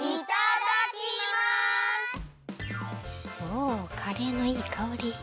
おカレーのいいかおり。